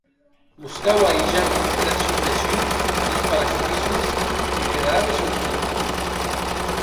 Mos cau ahíger era supression des parasitismes, e quedarà resolvut.